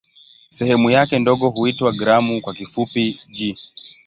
Sehemu yake ndogo huitwa "gramu" kwa kifupi "g".